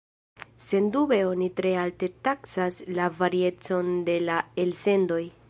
Sendube oni tre alte taksas la variecon de la elsendoj.